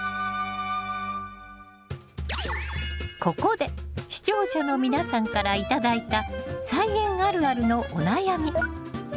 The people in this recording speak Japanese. ここで視聴者の皆さんから頂いた菜園あるあるのお悩み。